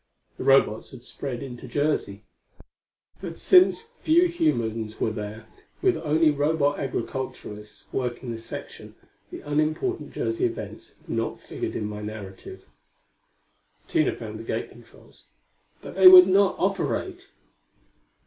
The robots had spread into Jersey; but since few humans were there, with only Robot agriculturists working the section, the unimportant Jersey events have not figured in my narrative.] Tina found the gate controls. But they would not operate!